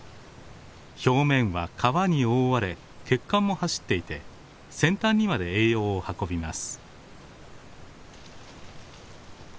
表面は皮に覆われ血管も走っていて先端にまで栄養を運びます。